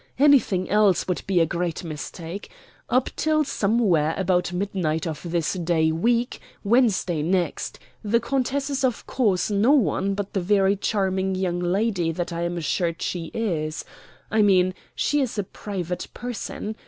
Anything else would be a great mistake. Up till somewhere about midnight of this day week, Wednesday next, the countess is of course no one but the very charming young lady that I am assured she is I mean she is a private person.